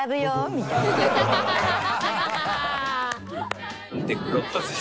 みたいなね。